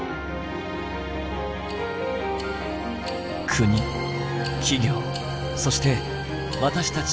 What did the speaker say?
国企業そして私たち